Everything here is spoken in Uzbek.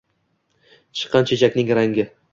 Chiqqan chechakning rangi.